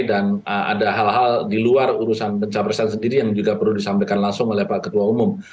dan ada hal hal di luar urusan pencapresan sendiri yang juga perlu disampaikan langsung oleh pak ketua umum